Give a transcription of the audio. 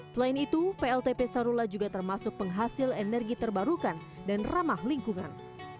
selain itu pltp sarula juga termasuk penghasil energi terbarukan dan ramah lingkungan